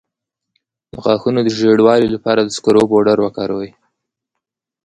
د غاښونو د ژیړوالي لپاره د سکرو پوډر وکاروئ